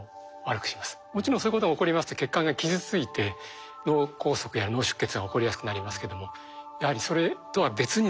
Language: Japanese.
もちろんそういうことが起こりますと血管が傷ついて脳梗塞や脳出血が起こりやすくなりますけどもやはりそれとは別にですね